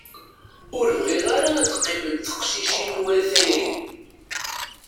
Ur bɣiɣ ara ad qqiment teqcicin war tayri.